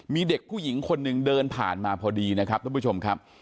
มีเด็กผู้หญิงคนหนึ่งเดินผ่านมาพอดีนะครับท่านผู้ชมครับ